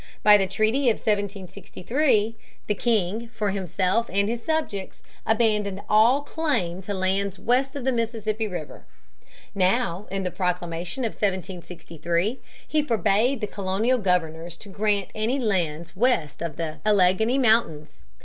By the treaty of 1763 (p. 69) the king, for himself and his subjects, abandoned all claim to lands west of Mississippi River. Now in the Proclamation of 1763 he forbade the colonial governors to grant any lands west of the Alleghany Mountains.